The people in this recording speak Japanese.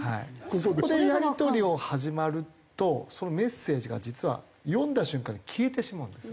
そこでやり取りを始まるとそのメッセージが実は読んだ瞬間に消えてしまうんですよ。